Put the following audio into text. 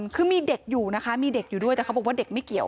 คือมีเด็กอยู่นะคะมีเด็กอยู่ด้วยแต่เขาบอกว่าเด็กไม่เกี่ยว